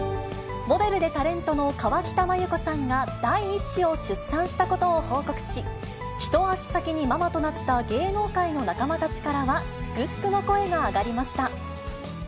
モデルでタレントの河北麻友子さんが第１子を出産したことを報告し、一足先にママとなった芸能界の仲間たちからは祝福の声が上がりました。